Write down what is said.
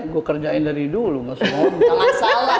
gue kerjain dari dulu maksudnya salah